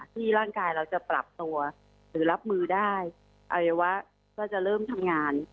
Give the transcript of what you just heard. ที่ร่างกายเราจะปรับตัวหรือรับมือได้อวัยวะก็จะเริ่มทำงาน